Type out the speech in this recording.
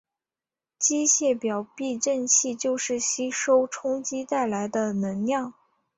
机械表避震器就是吸收冲击带来的能量。